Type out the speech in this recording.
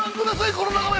この眺め。